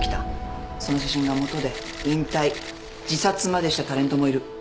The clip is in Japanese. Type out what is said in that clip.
その写真がもとで引退自殺までしたタレントもいる。